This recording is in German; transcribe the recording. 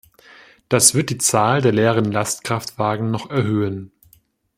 Das wird die Zahl der leeren Lastkraftwagen noch erhöhen.